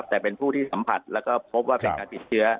แต่เป็นผู้ที่สัมผัสแล้วก็พบว่าเป็นการติดเชื้อ